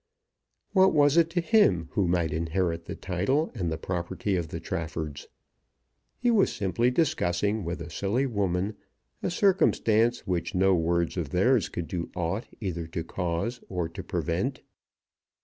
What was it to him who might inherit the title and the property of the Traffords? He was simply discussing with a silly woman a circumstance which no words of theirs could do aught either to cause or to prevent.